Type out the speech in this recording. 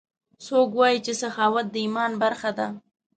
څوک وایي چې سخاوت د ایمان برخه ده